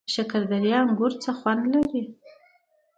د شکردرې انګور څه خوند لري؟